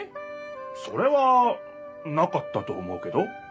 それはなかったと思うけど。